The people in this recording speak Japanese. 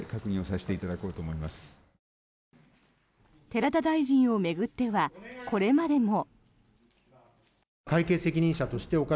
寺田大臣を巡ってはこれまでも。